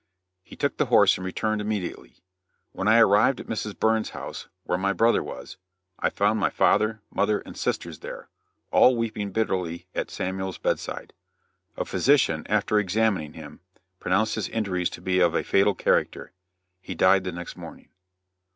He took the horse and returned immediately. When I arrived at Mr. Burns' house, where my brother was, I found my father, mother and sisters there, all weeping bitterly at Samuel's bedside. A physician, after examining him, pronounced his injuries to be of a fatal character. He died the next morning.